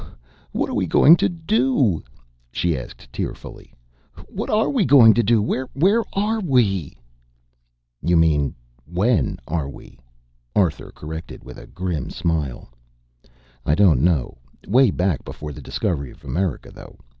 "Oh, what are we going to do?" she asked tearfully. "What are we going to do? Where are we?" "You mean, when are we," Arthur corrected with a grim smile. "I don't know. Way back before the discovery of America, though.